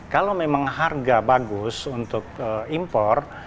kalau memang harga bagus untuk impor